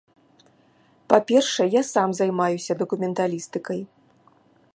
Па-першае, я сам займаюся дакументалістыкай.